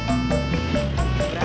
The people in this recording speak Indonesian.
tunggu sebentar ya